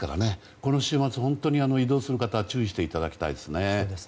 この週末、本当に移動する方注意していただきたいですね。